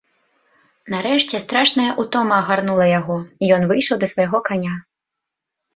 Нарэшце страшная ўтома агарнула яго, і ён выйшаў да свайго каня.